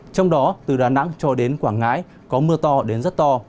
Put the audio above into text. trong đó từ đà nẵng cho đến quảng ngãi có mưa to đến rất to